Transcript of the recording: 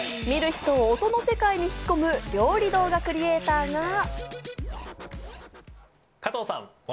見る人を音の世界に引き込む料理動画クリエーターが。